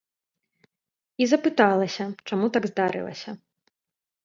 І запыталася, чаму так здарылася.